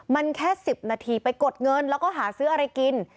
มันแค่๑๐นาทีไปกดเงินแล้วก็หาซื้ออะไรกิน